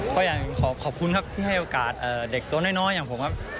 ก็อยากขอขอบคุณครับที่ให้โอกาสเด็กตัวน้อยอย่างผมครับ